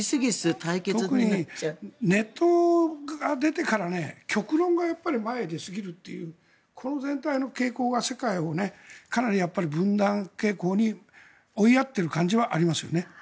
特にネットが出てから極論が前へ出すぎるというこういう全体の傾向が世界を分断傾向に追いやっている感じはありますよね。